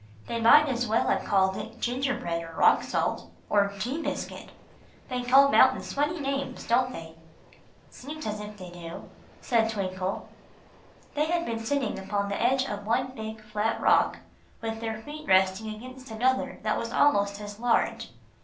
"They might as well have called it 'gingerbread' or 'rock salt,' or 'tea biscuit.' They call mountains funny names, don't they?" "Seems as if they do," said Twinkle. They had been sitting upon the edge of one big flat rock, with their feet resting against another that was almost as large.